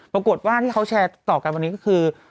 ปรากฏว่าที่เขาแชร์ต่อกันวันนี้ก็คือ